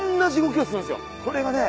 これがね